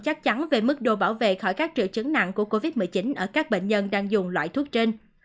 sẵn sàng về mức độ bảo vệ khỏi các triệu chứng nặng của covid một mươi chín ở các bệnh nhân đang dùng loại thuốc trên